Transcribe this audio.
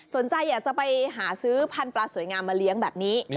สนใจอยากจะไปหาซื้อพันธุปลาสวยงามมาเลี้ยงแบบนี้